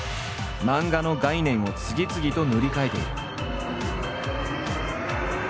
漫画の概念を次々と塗り替えている。